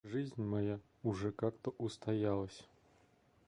Жизнь моя уже как-то устоялась.